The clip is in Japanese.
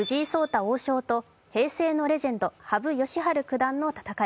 王将と平成のレジェンド羽生善治九段の戦い。